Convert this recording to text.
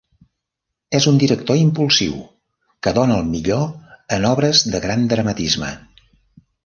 És un director impulsiu que dóna el millor en obres de gran dramatisme.